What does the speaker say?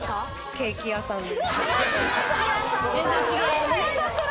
ケーキ屋さんです。